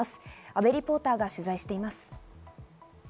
阿部リポーターが取材しています。